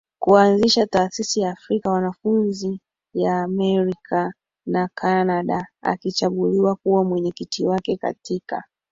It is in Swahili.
kuanzisha taasisi ya afrika wanafunzi ya America na kanada akichaguliwa kuwa mwenyekiti wake Katika